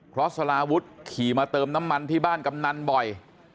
เพราะสลาวุฒิขี่มาเติมน้ำมันที่บ้านกำนันบ่อย